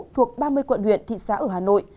thuộc ba mươi quận huyện thị xã hà nội